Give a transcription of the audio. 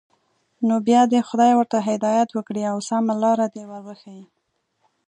نو بیا دې خدای ورته هدایت وکړي او سمه لاره دې ور وښيي.